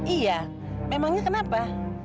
iya memangnya kenapa